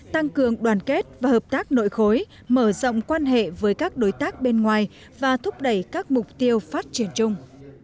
tăng cường đoàn kết và hợp tác nội khối mở rộng quan hệ với các đối tác bên ngoài và thúc đẩy các mục tiêu phát triển chung